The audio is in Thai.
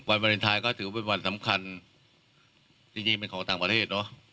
วันวารินทรายก็ถือว่าเป็นวันสำคัญจริงเป็นของต่างประเทศเนอะ